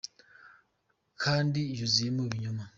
Kandi yuzuyemo ibinyonga